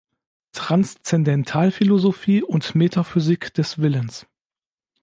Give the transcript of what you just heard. Transzendentalphilosophie und Metaphysik des Willens“.